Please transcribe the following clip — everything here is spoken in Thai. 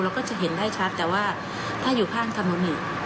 ก็จะเห็นได้ชัดแต่ว่าถ้าอยู่ข้างถนนอีก